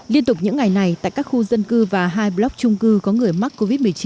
liên tục những ngày này tại các khu dân cư và hai block trung cư có người mắc covid một mươi chín